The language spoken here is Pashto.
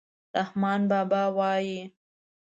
رحمان بابا وایي: